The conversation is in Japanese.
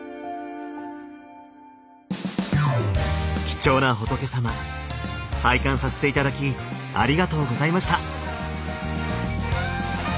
貴重な仏様拝観させて頂きありがとうございました。